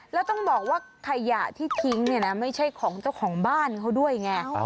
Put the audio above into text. แล้วต้องบอกว่าขยะที่ทิ้งเนี่ยนะไม่ใช่ของเจ้าของบ้านเขาด้วยไง